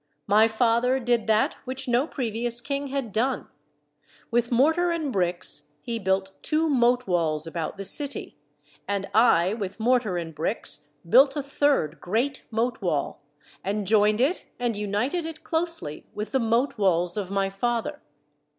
My father did that which no previous king had done. With mortar and bricks he built two moat walls about the city, and I, with mortar and bricks, built a third great moat wall, and joined it and united it closely with the moat walls of my father.